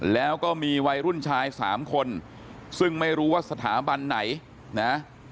แล้วก็มีวัยรุ่นชายสามคนซึ่งไม่รู้ว่าสถาบันไหนนะ